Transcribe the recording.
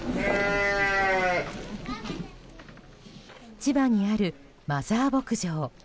千葉にあるマザー牧場。